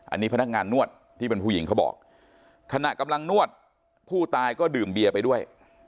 อันนี้พนักงานนวดที่เป็นผู้หญิงเขาบอกขณะกำลังนวดผู้ตายก็ดื่มเบียร์ไปด้วย